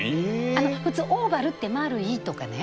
普通オーバルって丸いとかね